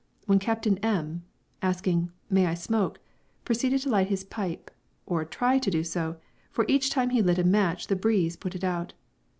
when Captain M , asking "May I smoke?" proceeded to light his pipe, or try to do so, for each time he lit a match the breeze put it out.